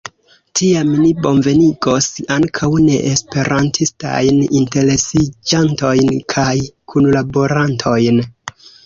Tiam ni bonvenigos ankaŭ neesperantistajn interesiĝantojn kaj kunlaborantojn.